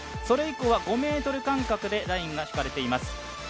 それ以降は５ｍ以降でラインが引かれています。